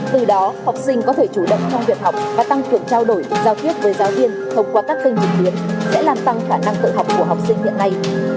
từ đó học sinh có thể chủ động trong việc học và tăng cường trao đổi giao tiếp với giáo viên thông qua các kênh truyền biến sẽ làm tăng khả năng tự học của học sinh hiện nay